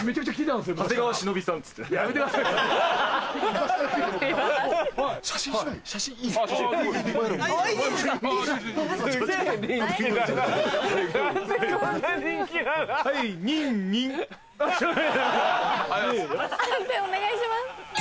判定お願いします。